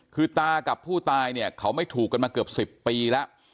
คือตากับผู้ตายเนี่ยเขาไม่ถูกกันมาเกือบ๑๐ปีแล้ว